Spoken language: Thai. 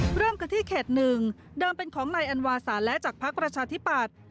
มันเป็นในว่าเปลี่ยนโปรไฟล์ยายค่ายเป็นลงเขตห้าในสีเสื้อของพักราชาธิปัตย์